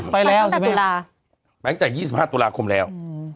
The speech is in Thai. ไปแล้วสิแม่มั้ยนี่หรอไปแล้วไปลงจาก๒๕ตุลาคมแล้ว